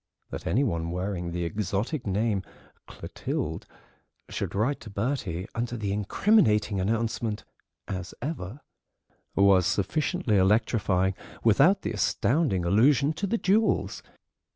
That any one wearing the exotic name "Clotilde" should write to Bertie under the incriminating announcement "as ever" was sufficiently electrifying, without the astounding allusion to the jewels.